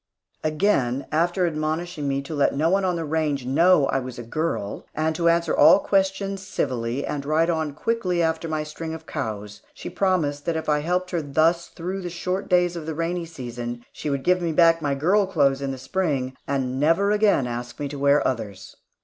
After again admonishing me to let no one on the range know I was a girl, and to answer all questions civilly and ride on quickly after my string of cows, she promised that if I helped her thus through the short days of the rainy season, she would give back my "girl clothes" in the Spring, and never again ask me to wear others.